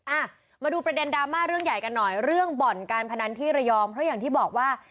อ่ะมาดูประเด็นดราม่าเรื่องใหญ่กันหน่อยเรื่องบ่อนการพนันที่ระยองเพราะอย่างที่บอกว่า